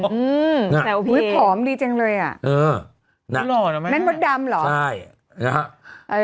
อืมแต่อุ้ยผอมดีจังเลยอ่ะเออนั่นมดดำเหรอใช่นะฮะ